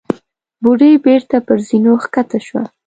بوډۍ بېرته پر زينو کښته شوه.